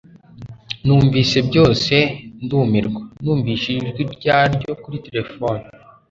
nunvise byose ndumirwa numvise ijwi rya ryo kuri terefone